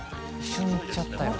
一緒に行っちゃったよ。